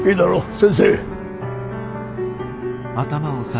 先生。